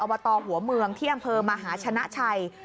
อวตอหัวเมืองเที่ยงเพิร์มมหาชนะชัย